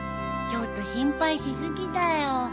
ちょっと心配し過ぎだよ。